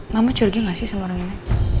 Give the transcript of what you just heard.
mama curiga gak sih sama orang ini